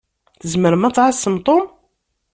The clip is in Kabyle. Tzemṛem ad tɛassem Tom?